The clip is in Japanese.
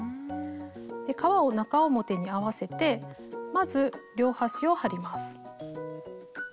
で革を中表に合わせてまず両端を貼ります。